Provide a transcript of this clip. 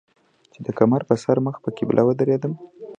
چې د کمر پۀ سر مخ پۀ قبله ودرېدم